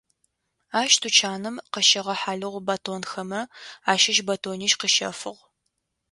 Ащ тучаным къащэгъэ хьалыгъу батонхэмэ ащыщ батонищ къыщэфыгъ.